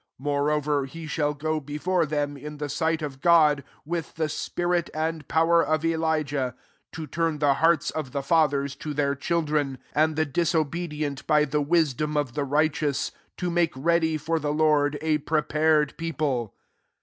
17 More ver he shall go before theni) in he tight of God,* t^th the spirit nd flower qf EUjahy to turn the tans qf the fathers to their rA« V'ftt, and the disobedient by the Tiidom of the righteous; to make eadg for the Lord a prepared eofile."